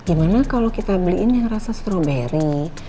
gimana kalau kita beliin yang rasa stroberi